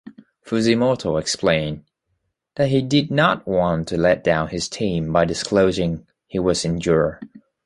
Fujimoto explained that he did not want to let down his team by disclosing he was injured.